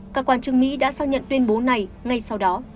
các quan chức mỹ đã xác nhận tuyên bố này ngay sau đó